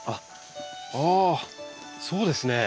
ああそうですね。